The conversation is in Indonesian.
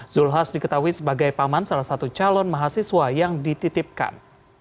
zulkifli hasan diketahui sebagai paman salah satu calon mahasiswa yang dititipkan